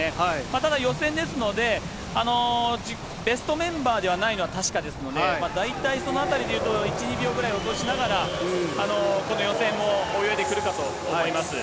ただ予選ですので、ベストメンバーではないのは確かですので、大体そのあたりで言うと、１、２秒ぐらい落としながら、この予選を泳いでくるかと思います。